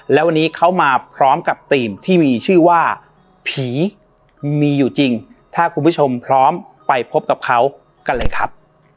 แล้ววันนี้เขามาพร้อมกับธีมที่มีชื่อว่าผีมีอยู่จริงถ้าคุณผู้ชมพร้อมไปพบกับเขากันเลยครับ